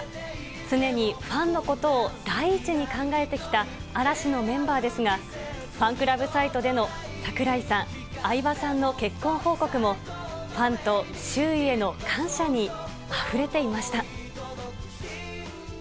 常にファンのことを第一に考えてきた嵐のメンバーですが、ファンクラブサイトでの櫻井さん、相葉さんの結婚報告も、ファンと周囲への感謝にあふれていました。